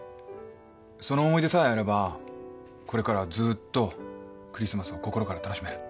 その思い出さえあればこれからはずーっとクリスマスを心から楽しめる。